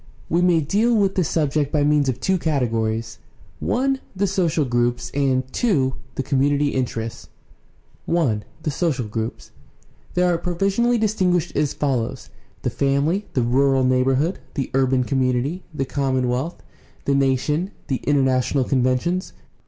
We may deal with this subject by means of two categories: (i) the social groups, and (2) the com munity interests. I. THE SOCIAL GROUPS These are provisionally distinguished as follows: the family, the rural neighborhood, the urban community, the commonwealth, the nation, the international conventions.